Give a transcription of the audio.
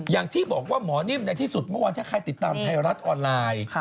อย่างที่บอกว่าหมอนิ่มในที่สุดเมื่อวานถ้าใครติดตามไทยรัฐออนไลน์